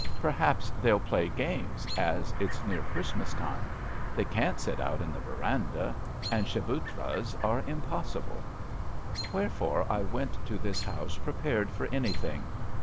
Perhaps they'll play games, as it's near Christmas time. They can't sit out in the verandah, and chdbutras are im possible." Wherefore I went to this house prepared for anything.